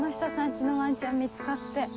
家のワンちゃん見つかって。